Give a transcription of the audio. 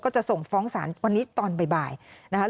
จะส่งฟ้องศาลวันนี้ตอนบ่ายนะคะ